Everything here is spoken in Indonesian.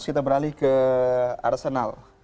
kita beralih ke arsenal